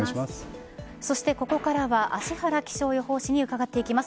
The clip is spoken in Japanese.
そして、ここからは芦原気象予報士に伺っていきます。